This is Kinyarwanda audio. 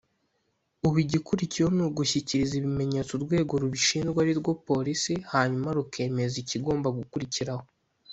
ubu igikurikiyeho ni ugushyikiriza ibimenyetso urwego rubishinzwe ari rwo Polisi hanyuma rukemeza ikigomba gukurikiraho”